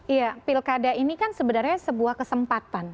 iya pilkada ini kan sebenarnya sebuah kesempatan